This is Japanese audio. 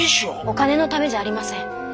お金のためじゃありません。